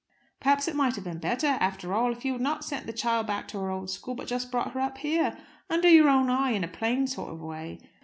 "Perhaps it might have been better, after all, if you had not sent the child back to her old school, but just brought her up here, under your own eye, in a plain sort of way.